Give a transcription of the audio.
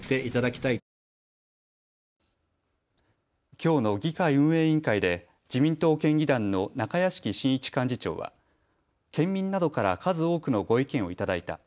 きょうの議会運営委員会で自民党県議団の中屋敷慎一幹事長は県民などから数多くのご意見をいただいた。